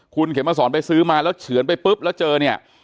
คุณเข็มมาสอนไปซื้อมาแล้วเฉือนไปปุ๊บแล้วเจอเนี่ย